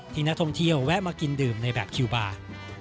ที่นักท่องเที่ยวแวะมากินดื่มในแบบคิวบาร์